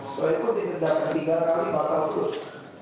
selain itu diperdakan tiga kali bakal terus